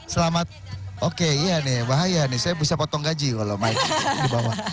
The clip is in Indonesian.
selamat oke iya nih bahaya nih saya bisa potong gaji kalau main di bawah